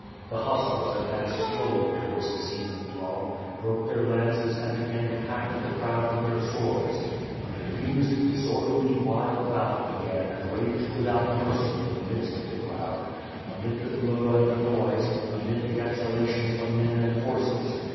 The hussars advanced slowly towards this human throng, broke their lances and began to hack at the crowd with their swords. A confused, disorderly, wild battle began and raged without mercy in the midst of the crowd; amid the glow and the noise; amid the exhalations from men and horses.